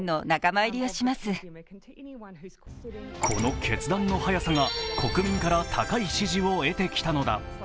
この決断の速さが国民から高い支持を得てきたのだ。